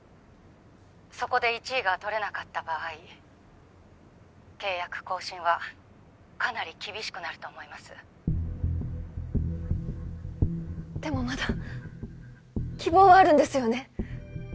☎そこで１位がとれなかった場合☎契約更新は☎かなり厳しくなると思いますでもまだ希望はあるんですよね？